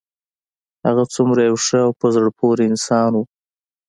هغه څومره یو ښه او په زړه پورې انسان و